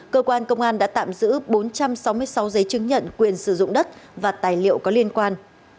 cơ quan công an đã tạm giữ bốn trăm sáu mươi sáu giấy chứng nhận quyền sử dụng đất và tài liệu có liên quan